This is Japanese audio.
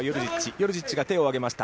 ヨルジッチが手を挙げました。